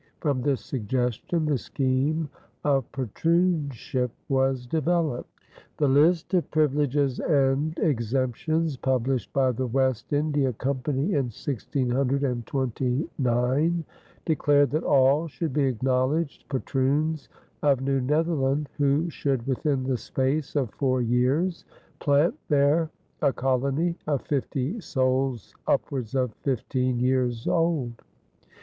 From this suggestion the scheme of patroonship was developed. The list of "Privileges and Exemptions" published by the West India Company in 1629 declared that all should be acknowledged patroons of New Netherland who should, within the space of four years, plant there a colony of fifty souls upwards of fifteen years old.